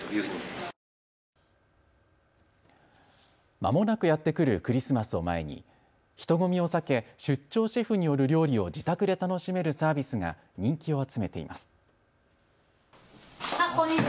まもなくやって来るクリスマスを前に人混みを避け出張シェフによる料理を自宅で楽しめるサービスが人気を集めています。